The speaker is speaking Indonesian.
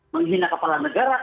menghina kepala negara